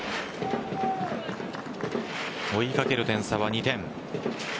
追いかける点差は２点。